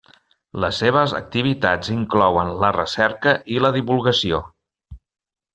Les seves activitats inclouen la recerca i la divulgació.